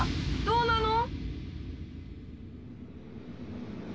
どうなの？